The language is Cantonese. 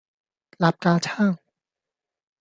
擸架撐